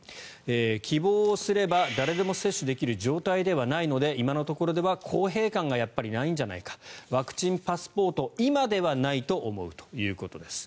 希望をすれば誰でも接種できる状態ではないので今のところでは公平感がないんじゃないかワクチンパスポートは今ではないと思うということです。